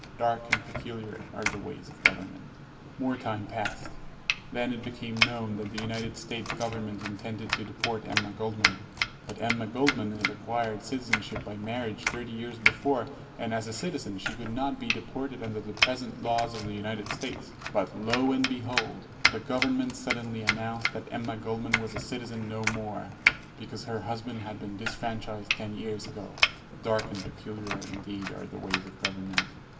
Dark and peculiar are the ways of Government. More time passed. Then it became known that the United States Government intended to deport Emma Goldman. But Emma Gold man had acquired citizenship by marriage 30 years before, and, as a citizen, she could not be deported under the present laws of the United States. But lo and behold! The Government suddenly announced that Emma Goldman was a citizen no more, because her husband had been disfranchised ten years ago! Dark and peculiar indeed are the ways of government.